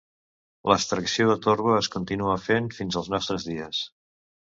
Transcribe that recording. L'extracció de torba es continua fent fins als nostres dies.